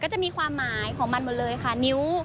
จะมีความหมายของมันหมดเลยค่ะนิ้ว